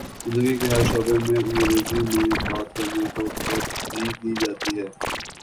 زندگی کے ہر شعبے میں انگریزی میں بات کر نے کو ترجیح دی جاتی ہے